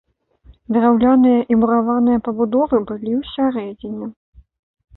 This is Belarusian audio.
Драўляныя і мураваныя пабудовы былі ў сярэдзіне.